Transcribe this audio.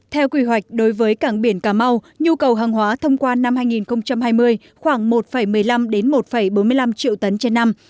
theo quy hoạch đối với cảng biển cà mau nhu cầu hàng hóa thông qua năm hai nghìn hai mươi khoảng một một mươi năm một bốn mươi năm triệu tấn trên năm